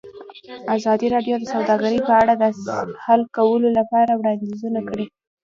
ازادي راډیو د سوداګري په اړه د حل کولو لپاره وړاندیزونه کړي.